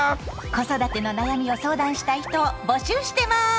子育ての悩みを相談したい人を募集してます！